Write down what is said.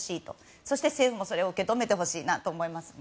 そして政府もそれを受け止めてほしいなと思います。